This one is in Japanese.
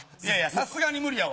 さすがに無理やわ。